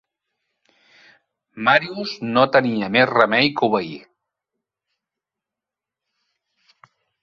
Marius no tenia més remei que obeir.